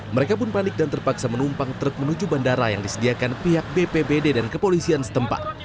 mereka pun panik dan terpaksa menumpang truk menuju bandara yang disediakan pihak bpbd dan kepolisian setempat